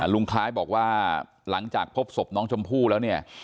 ลุงคล้ายบอกว่าหลังจากพบศพน้องชมพู่แล้วเนี่ย